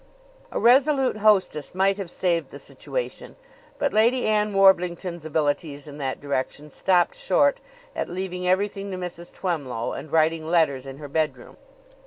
A resolute hostess might have saved the situation; but Lady Ann Warblington's abilities in that direction stopped short at leaving everything to Mrs. Twemlow and writing letters in her bedroom.